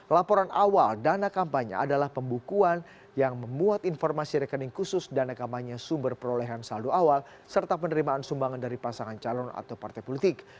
laporan awal dana kampanye adalah pembukuan yang memuat informasi rekening khusus dana kampanye sumber perolehan saldo awal serta penerimaan sumbangan dari pasangan calon atau partai politik